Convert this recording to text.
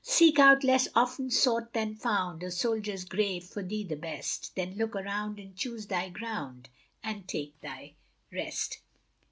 Seek out less often sought than found A soldier's grave, for thee the best; Then look around, and choose thy ground, And take thy rest.